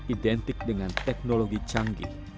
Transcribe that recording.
identik dengan teknologi canggih